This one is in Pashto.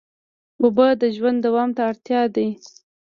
اوبه د ژوند دوام ته اړتیا دي.